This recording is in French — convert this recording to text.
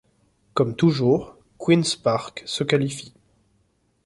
Comme toujours, Queen's Park se qualifie.